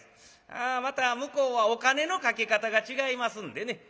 ああまた向こうはお金のかけ方が違いますんでね